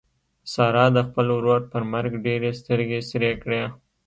سارا د خپل ورور پر مرګ ډېرې سترګې سرې کړې.